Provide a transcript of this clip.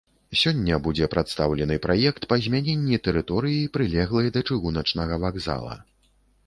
Сёння будзе прадстаўлены праект па змяненні тэрыторыі, прылеглай да чыгуначнага вакзала.